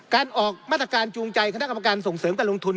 การออกมาตรการจูงใจคณะกรรมการส่งเสริมการลงทุน